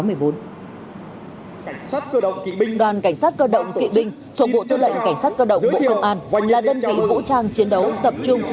đoàn cảnh sát cơ động kỵ binh thuộc bộ tư lệnh cảnh sát cơ động bộ công an là đơn vị vũ trang chiến đấu tập trung